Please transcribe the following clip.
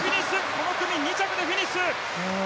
この組２着でフィニッシュ。